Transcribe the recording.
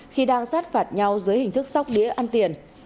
khi đang sát phạt nhau dưới hình thức sóc đĩa ăn tiền